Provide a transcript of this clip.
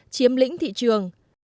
chiếm lĩnh thị trường